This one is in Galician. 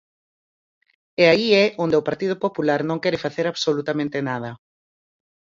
E aí é onde o Partido Popular non quere facer absolutamente nada.